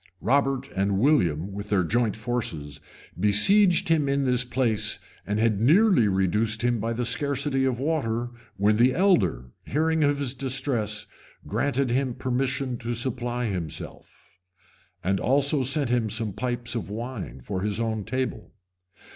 Robert and William, with their joint forces, besieged him in this place, and had nearly reduced him by the scarcity of water, when the elder, hearing of his distress, granted him permission to supply himself, and also sent him some pipes of wine for his own table.